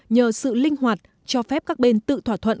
nhờ sự linh hoạt cho phép các bên tự thỏa thuận